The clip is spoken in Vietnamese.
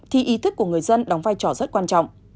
thì ý thức của người dân đóng vai trò rất quan trọng